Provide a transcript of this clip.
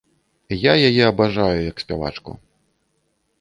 Я яе абажаю як спявачку.